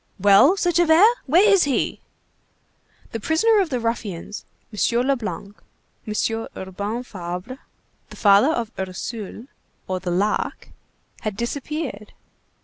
"Well," said Javert, "where is he?" The prisoner of the ruffians, M. Leblanc, M. Urbain Fabre, the father of Ursule or the Lark, had disappeared.